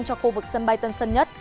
cho khu vực sân bay tân sân nhất